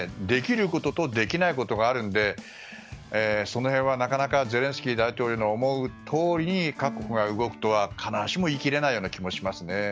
できることとできないことがあるのでその辺は、なかなかゼレンスキー大統領の思うとおり各国が動くとは必ずしも言い切れない気がしますね。